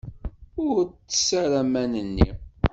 Ur ttess ara aman-nni!